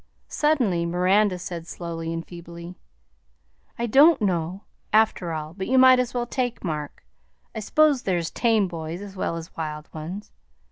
Suddenly Miranda said slowly and feebly: "I don' know after all but you might as well take Mark; I s'pose there's tame boys as well as wild ones.